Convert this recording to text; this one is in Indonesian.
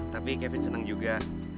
tapi kevin senang juga